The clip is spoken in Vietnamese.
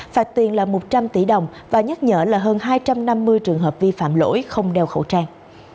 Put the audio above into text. phạt tiền là một trăm linh tỷ đồng và nhắc nhở là hơn hai trăm năm mươi trường hợp vi phạm lỗi không đeo khẩu trang